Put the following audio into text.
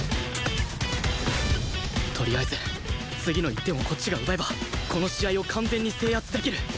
とりあえず次の１点をこっちが奪えばこの試合を完全に制圧できる！